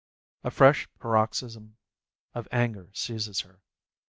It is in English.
A fresh paroxysm of anger seizes her.